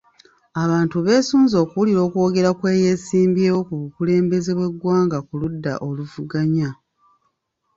Abantu beesunze okuwulira okwogera kw'eyeesimbyewo ku bukulembeze bw'eggwanga ku ludda oluvuganya.